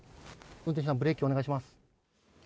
運転手さんブレーキをお願いします。